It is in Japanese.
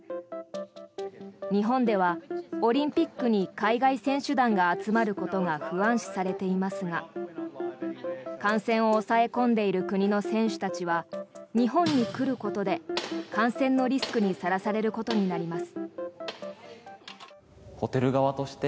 日本ではオリンピックに海外選手団が集まることが不安視されていますが感染を抑え込んでいる国の選手たちは日本に来ることで感染のリスクにさらされることになります。